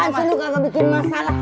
tepan seluka gak bikin masalah